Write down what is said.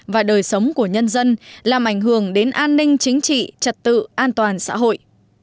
và đời sống của nhân dân làm ảnh hưởng đến an ninh chính trị trật tự an toàn xã hội